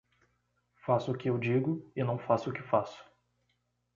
Faça o que eu digo e não faça o que faço.